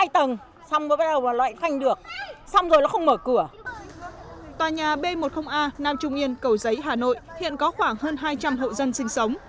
tòa nhà b một mươi a nam trung yên cầu giấy hà nội hiện có khoảng hơn hai trăm linh hộ dân sinh sống